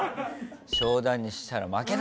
商談にしたら負けだぞ！